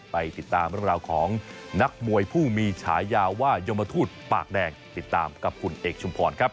ไปติดตามเรื่องราวของนักมวยผู้มีฉายาว่ายมทูตปากแดงติดตามกับคุณเอกชุมพรครับ